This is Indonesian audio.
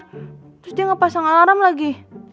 terus dia ngepasang alarm lagi